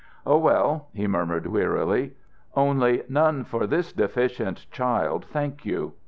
"Oh well," he murmured, wearily. "Only, none for this deficient child, thank you."